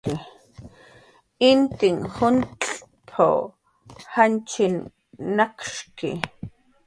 "Intin juncx'p"" janchis nakshki"